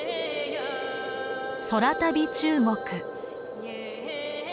「空旅中国」。